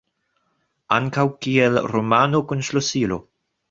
Ankaŭ kiel "romano kun ŝlosilo".